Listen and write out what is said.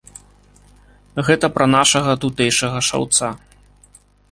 Гэта пра нашага тутэйшага шаўца.